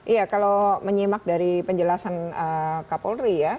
iya kalau menyimak dari penjelasan kapolri ya